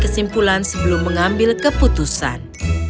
kesimpulan sebelum mengambil keputusan